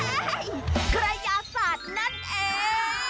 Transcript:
กระยาศาสตร์นั่นเอง